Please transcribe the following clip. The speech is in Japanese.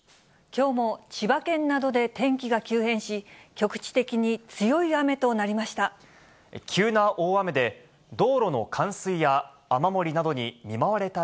きょうも千葉県などで天気が急変し、局地的に強い雨となりました。